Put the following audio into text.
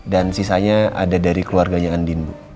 dan sisanya ada dari keluarganya andin bu